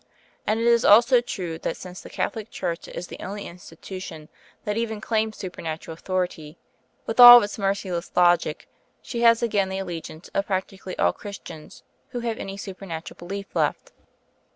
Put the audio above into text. And it is also true that since the Catholic Church is the only institution that even claims supernatural authority, with all its merciless logic, she has again the allegiance of practically all Christians who have any supernatural belief left.